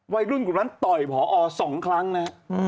วัยรุ่นกลุ่มนั้นต่อยพอ๒ครั้งนะฮะ